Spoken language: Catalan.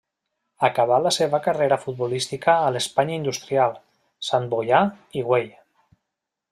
Acabà la seva carrera futbolística a l'Espanya Industrial, Santboià i Güell.